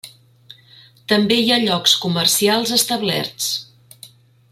També hi ha llocs comercials establerts.